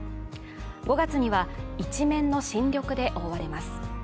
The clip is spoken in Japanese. ５月には一面の新緑で覆われます。